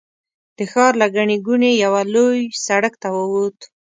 د ښار له ګڼې ګوڼې یوه لوی سړک ته ووت.